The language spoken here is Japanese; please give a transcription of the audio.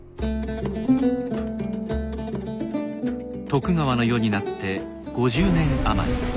徳川の世になって５０年余り。